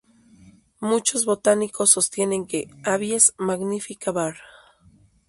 Muchos botánicos sostienen que "Abies magnifica var.